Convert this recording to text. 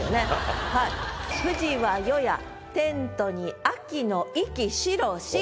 「富士は夜やテントに秋の息白し」。